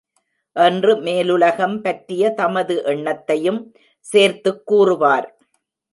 என்று மேலுலகம் பற்றிய தமது எண்ணத்யுைம் சேர்த்துக் கூறுவார்.